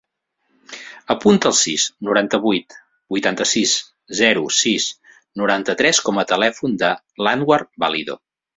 Apunta el sis, noranta-vuit, vuitanta-sis, zero, sis, noranta-tres com a telèfon de l'Anwar Valido.